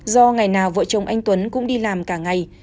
do ngày nào vợ chồng anh tuấn cũng đi làm cả ngày